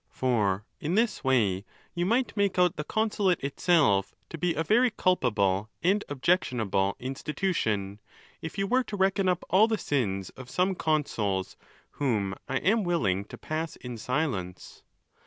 For in this way you might. make out the consulate itself to be a very culpable and: objectionable institution, if you were to reckon up all the sins of some consuls, whom I am willing to pass in silence.